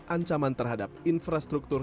ancaman terhadap infrastruktur